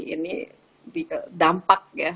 ini dampak ya